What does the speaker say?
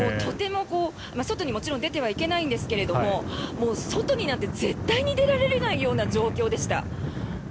外にもちろん出てはいけないんですが外になんて絶対に出られないような状況でした。